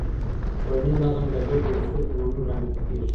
ټولنیز نظم د ګډو اصولو په منلو رامنځته کېږي.